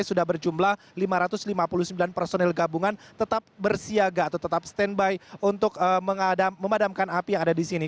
sudah berjumlah lima ratus lima puluh sembilan personil gabungan tetap bersiaga atau tetap standby untuk memadamkan api yang ada di sini